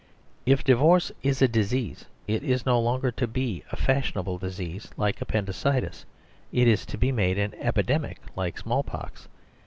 If divorce is a disease, it is no longer to be a fashionable disease like appendicitis; it is to be made an epidemic like small pox.